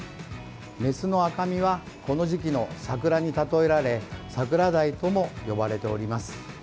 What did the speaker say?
メスの赤みはこの時期の桜に例えられサクラダイとも呼ばれています。